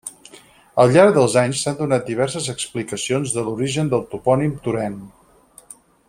Al llarg dels anys s'han donat diverses explicacions de l'origen del topònim Torèn.